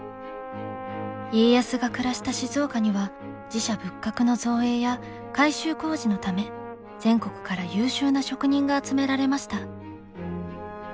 家康が暮らした静岡には寺社仏閣の造営や改修工事のため全国から優秀な職人が集められました。